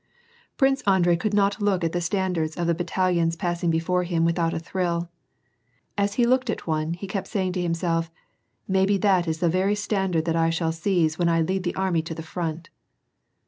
*' Prince Andrei could not look at the standards of the battal ions passing before him without a thrill. As he looked at one he kept saying to himself :^' Maybe that is the very standard that 1 shall seize when I lead the army to the front